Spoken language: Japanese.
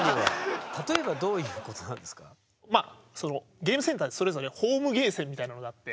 ゲームセンターにそれぞれホームゲーセンみたいのがあって。